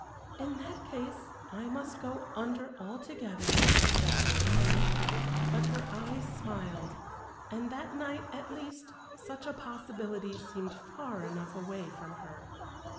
"In that case I must go under altogether," said Theodora; but her eyes smiled, and that night at least such a possibility seemed far enough away from her.